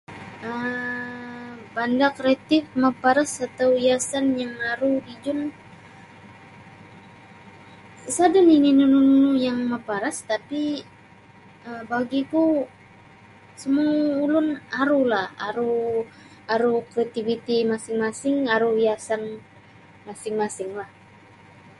um Banda kreatif maparas sarta hiasan yang aru dijun isada nini nunu-nunu yang maparas tapi um bagi ku semua ulun aru lah aru aru kreativiti masing-masing aru hiasan masing-masinglah.